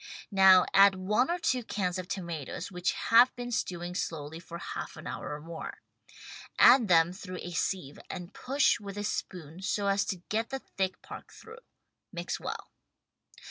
Now add one or two cans of tomatoes which have been stewing slowly for half an hour or more. Add them through a sieve and push with a spoon so as to get the thick part through. Mix well.